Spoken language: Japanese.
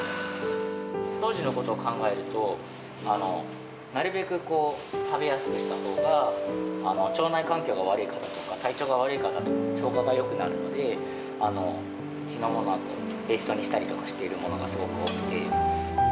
当時のことを考えると、なるべく食べやすくしたほうが、腸内環境が悪い方とか、体調が悪い方とか、消化がよくなるので、うちのものはペースト状にしたりしているものがすごく多くて。